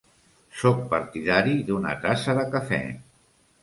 Sóc partidari d'una tassa de cafè.